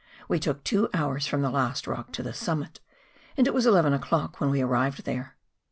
We took two hours from the last rock to the summit; and it was eleven o'clock when we arrived there.